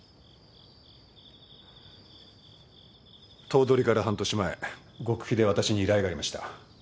頭取から半年前極秘で私に依頼がありました。